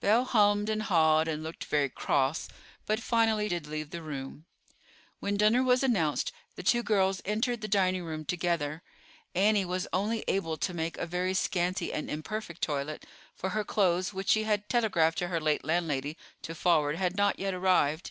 Belle hummed and hawed, and looked very cross, but finally did leave the room. When dinner was announced, the two girls entered the dining room together. Annie was only able to make a very scanty and imperfect toilet; for her clothes, which she had telegraphed to her late landlady to forward, had not yet arrived.